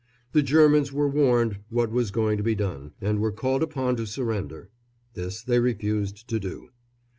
The Germans were warned what was going to be done, and were called upon to surrender. This they refused to do.